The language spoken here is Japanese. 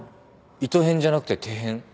糸へんじゃなくて手へん。